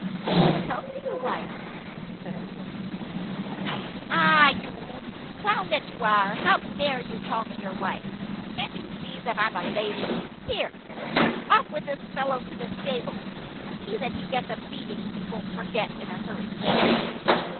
"Good health to you, wife," says the old man. "Ah, you, clown that you are, how dare you call me your wife! Can't you see that I'm a lady? Here! Off with this fellow to the stables, and see that he gets a beating he won't forget in a hurry."